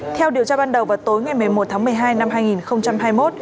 theo điều tra ban đầu vào tối ngày một mươi một tháng một mươi hai năm hai nghìn hai mươi một